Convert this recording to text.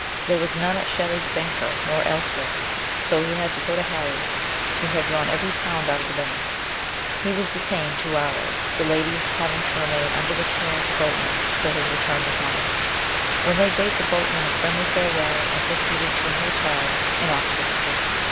There was none at Shelley's banker, nor elsewhere, so he had to go to Harriet, who had drawn every pound out of the bank. He was detained two hours, the ladies having to remain under the care of the boatman till his return with money, when they bade the boatman a friendly farewell and proceeded to an hotel in Oxford Street.